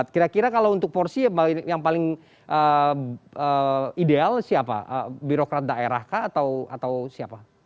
kira kira kalau untuk porsi yang paling ideal siapa birokrat daerah kah atau siapa